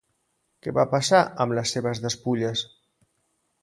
Què va passar amb les seves despulles?